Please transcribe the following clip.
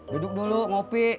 duduk dulu ngopi